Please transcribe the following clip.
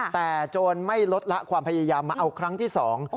แต่โจรไม่ลดละความพยายามมาเอาครั้งที่สอง